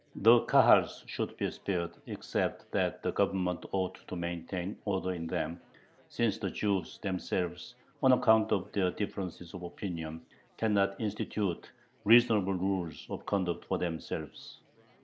The Kahals should be spared, except that the Government ought to maintain order in them, since the Jews themselves, on account of their differences of opinion, "cannot institute reasonable rules of conduct for themselves."